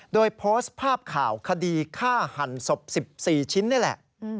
โดยโพสต์ภาพข่าวคดีฆ่าหันศพ๑๔ชิ้นนี่แหละ